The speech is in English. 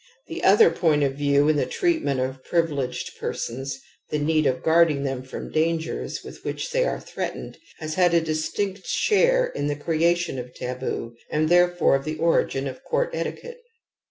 The other point of view 1 in the treatment of privileged persons, the need j of guarding them from dangers with which they U^ are threatened, has had a distinct share in the creation of tabop and therefore of the origin of / court etiquette.